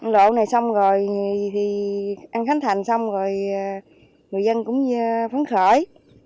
độ này xong rồi thì ăn khánh thành xong rồi người dân cũng phấn khởi